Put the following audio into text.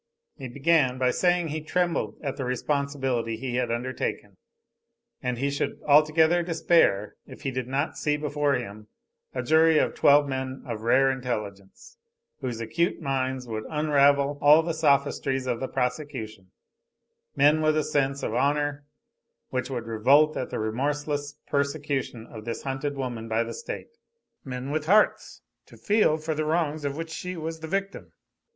He began by saying that he trembled at the responsibility he had undertaken; and he should altogether despair, if he did not see before him a jury of twelve men of rare intelligence, whose acute minds would unravel all the sophistries of the prosecution, men with a sense of honor, which would revolt at the remorseless persecution of this hunted woman by the state, men with hearts to feel for the wrongs of which she was the victim.